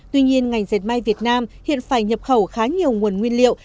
tuy nhiên ngành diệt mạng việt nam hiện phải nhập khẩu khá nhiều nguồn nguyên liệu